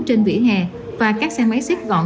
trên vỉa hè và các xe máy xếp gọn